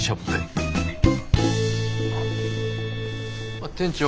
あっ店長